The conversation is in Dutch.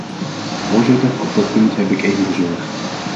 Voorzitter, op dat punt heb ik enige zorg.